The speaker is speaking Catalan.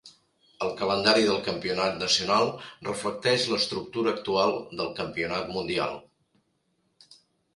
El calendari del Campionat Nacional reflecteix l'estructura actual del campionat mundial.